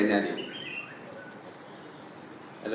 kebanyakan teknik ada